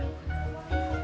kalian masuk yang ngebel